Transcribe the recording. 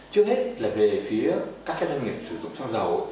trước hết là về phía các doanh nghiệp sử dụng xăng dầu